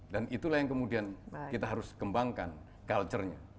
dan itulah yang kemudian kita harus kembangkan culture nya